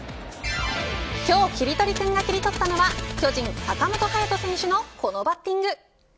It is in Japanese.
今日キリトリくんが切り取ったのは巨人坂本勇人選手のこのバッティング。